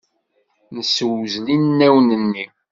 Nessewzel inaw-nni.